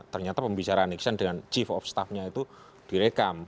ternyata pembicaraan nixon dengan chief of staffnya itu direkam